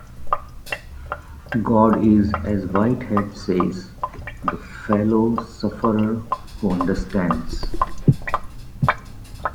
God is, as Whitehead says, "the fellow sufferer who understands."